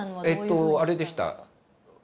えっとあれでした。